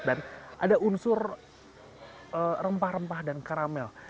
dan ada unsur rempah rempah dan karamel